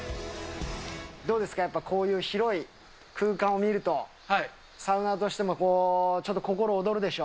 どうですか、やっぱりこういう広い空間を見ると、サウナーとしてもちょっと心躍るでしょ？